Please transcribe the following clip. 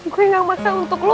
gue gak maksa untuk lo